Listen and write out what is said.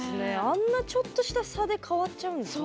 あんなちょっとした差で変わっちゃうんですね。